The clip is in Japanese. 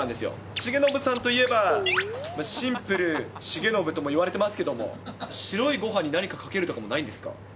重信さんといえば、シンプル重信とも言われてますけど、白いごはんに何かかけるとかもないんですか？